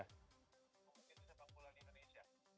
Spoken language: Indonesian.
kompetisi sepak bola di indonesia